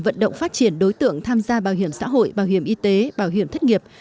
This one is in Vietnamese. vận động phát triển đối tượng tham gia bảo hiểm xã hội bảo hiểm y tế bảo hiểm thất nghiệp